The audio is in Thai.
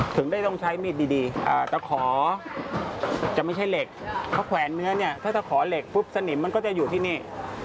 ถึงได้ต้องใช้มีดดีแต่ขอจะไม่ใช่เหล็กเขาแขวนเนื้อเนี่ยถ้าจะขอเหล็กปุ๊บสนิมมันก็จะอยู่ที่นี่